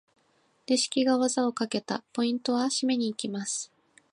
レシキが技をかけた！ポイントは？締めに行きます！